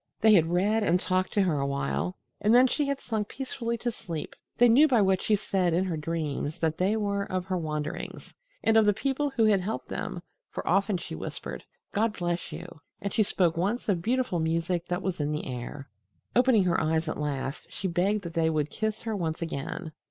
They had read and talked to her a while, and then she had sunk peacefully to sleep. They knew by what she said in her dreams that they were of her wanderings, and of the people who had helped them, for often she whispered, "God bless you." And she spoke once of beautiful music that was in the air. Opening her eyes at last, she begged that they would kiss her once again.